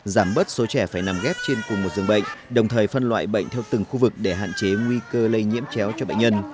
giảm bớt số trẻ phải nằm ghép trên cùng một dường bệnh đồng thời phân loại bệnh theo từng khu vực để hạn chế nguy cơ lây nhiễm chéo cho bệnh nhân